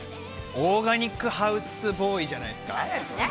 オーガニックハウスボーイじゃないすか？